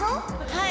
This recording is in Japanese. はい。